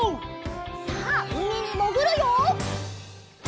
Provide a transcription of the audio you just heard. さあうみにもぐるよ！